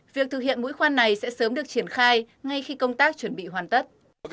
việc thực hiện mũi khoan này sẽ sớm được triển khai ngay khi công tác chuẩn bị hoàn tất